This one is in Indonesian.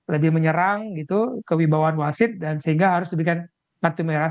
lebih menyerang kewibawaan wasit dan sehingga harus diberikan partimena